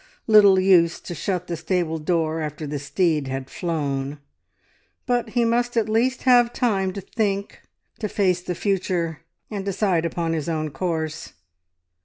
Little use to shut the stable door after the steed had flown, but he must at least have time to think, to face the future, and decide upon his own course.